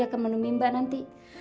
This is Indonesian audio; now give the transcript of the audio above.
saya mau menemim mbak nanti